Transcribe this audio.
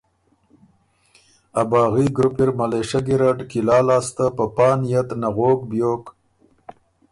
ا باغي ګروپ اِر ملېشۀ ګیرډ قلعه لاسته په پا نئت نغوک بیوک